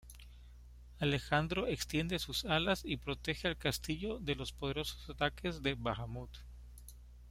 Alejandro extiende sus alas y protege al castillo de los poderosos ataques de Bahamut.